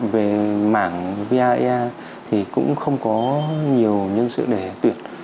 về mảng viei thì cũng không có nhiều nhân sự để tuyển